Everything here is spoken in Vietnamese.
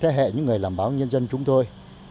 thế hệ những người làm báo nhân dân chúng tôi